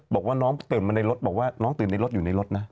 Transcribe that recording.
บอกว่าน้องตื่นมาในรถบอกว่าน้องตื่นในรถอยู่ในรถนะ